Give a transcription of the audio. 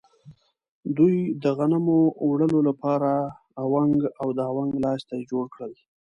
دوی د غنمو وړلو لپاره اونګ او د اونګ لاستی جوړ کړل.